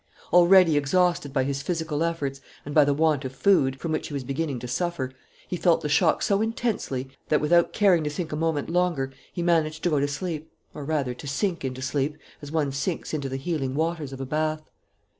Already exhausted by his physical efforts and by the want of food, from which he was beginning to suffer, he felt the shock so intensely that, without caring to think a moment longer, he managed to go to sleep, or, rather, to sink into sleep, as one sinks into the healing waters of a bath.